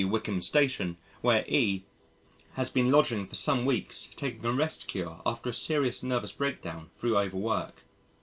Wycombe Station, where E has been lodging for some weeks taking a rest cure after a serious nervous breakdown thro' overwork.